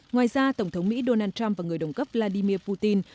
ngoài ra tổng thống mỹ donald trump và người đồng cấp vladimir putin